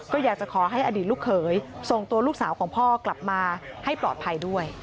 ก็อยากจะขอให้อดีตลูกเขยส่งตัวลูกสาวของพ่อกลับมาให้ปลอดภัยด้วย